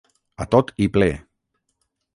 A tot i ple.